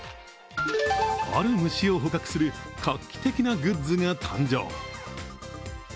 ある虫を捕獲する画期的なグッズが誕生。